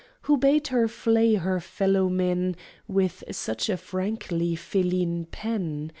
Who bade her flay her fellow men With such a frankly feline pen?